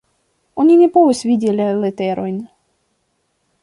Oni ne povas vidi la leterojn.